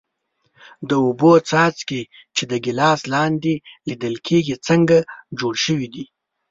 د اوبو څاڅکي چې د ګیلاس لاندې لیدل کیږي څنګه جوړ شوي دي؟